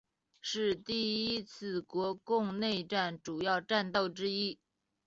是第一次国共内战主要战斗之一。